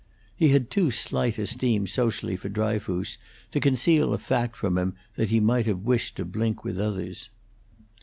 He had too slight esteem socially for Dryfoos to conceal a fact from him that he might have wished to blink with others.